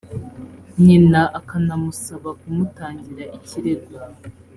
nyina akanamusaba kumutangira ikirego